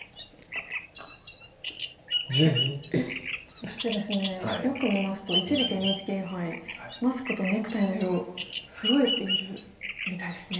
そしてですねよく見ますと一力ＮＨＫ杯マスクとネクタイの色そろえているみたいですね。